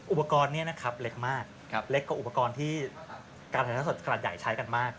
อุปกรณ์นี้นะครับเล็กมากเล็กกว่าอุปกรณ์ที่การถ่ายทอดสดขนาดใหญ่ใช้กันมาก